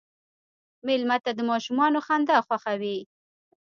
مېلمه ته د ماشومانو خندا خوښوي.